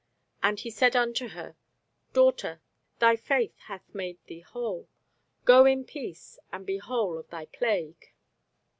And he said unto her, Daughter, thy faith hath made thee whole; go in peace, and be whole of thy plague.